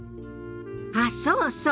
あっそうそう。